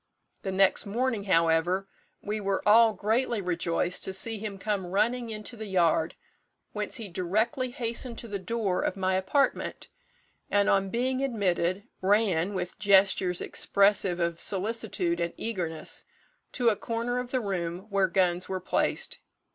The next morning, however, we were all greatly rejoiced to see him come running into the yard, whence he directly hastened to the door of my apartment, and, on being admitted, ran, with gestures expressive of solicitude and eagerness, to a corner of the room where guns were placed.